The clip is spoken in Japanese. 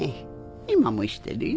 今もしてるよ。